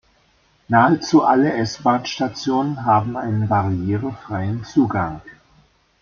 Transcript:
Nahezu alle S-Bahn-Stationen haben einen barrierefreien Zugang.